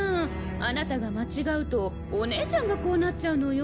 あなたが間違うとお姉ちゃんがこうなっちゃうのよ。